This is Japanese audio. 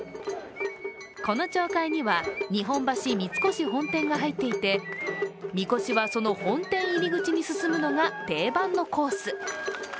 この町会には日本橋三越本店が入っていて神輿はその本店入り口に進むのが定番のコース。